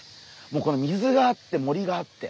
もうこの水があって森があって。